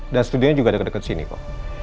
dan studionya juga deket deket sini kok